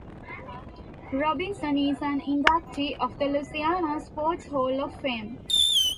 Robinson is an inductee of the Louisiana Sports Hall of Fame.